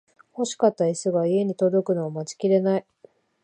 欲しかったイスが家に届くのを待ちきれない